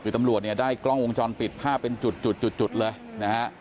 คือตำรวจเนี่ยได้กล้องวงจรปิดภาพเป็นจุดเลยนะฮะ